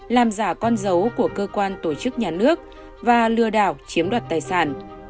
làm giả con dấu của cơ quan tổ chức nhà nước và lừa đảo chiếm đoạt tài sản